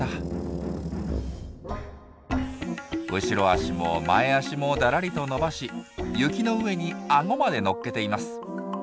後ろ足も前足もだらりと伸ばし雪の上にアゴまで乗っけています。